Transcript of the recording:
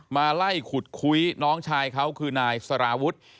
มาไล่ขุดคุยน้องชายเขาคือนายสารวุฒิ